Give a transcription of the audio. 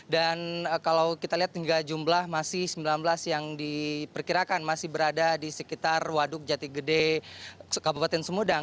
dan kalau kita lihat hingga jumlah masih sembilan belas yang diperkirakan masih berada di sekitar waduk jatigede kabupaten semudang